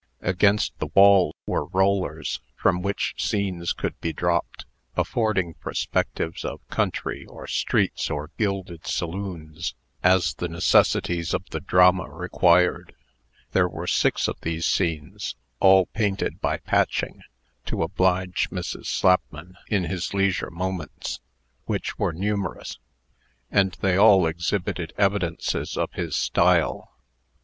Against the wall were rollers, from which scenes could be dropped, affording perspectives of country, or streets, or gilded saloons, as the necessities of the drama required. There were six of these scenes, all painted by Patching (to oblige Mrs. Slapman) in his leisure moments, which were numerous; and they all exhibited evidences of his style.